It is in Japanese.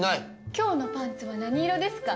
今日のパンツは何色ですか？